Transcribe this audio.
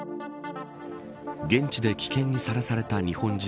現地で危険にさらされた日本人